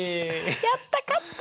やった勝った！